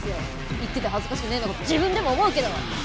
言ってて恥ずかしくねえのかと自分でも思うけど！